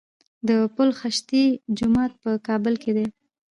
د پل خشتي جومات په کابل کې دی